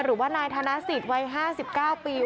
หรือว่านายธนสิทธิ์วัย๕๙ปี